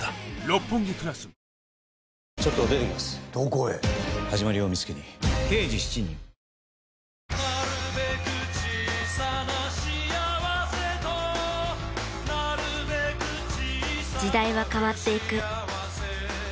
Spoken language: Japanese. こりゃ時代は変わっていく。